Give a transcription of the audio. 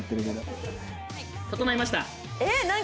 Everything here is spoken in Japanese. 整いました。